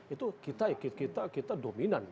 itu kita dominan